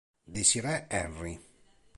Desiree Henry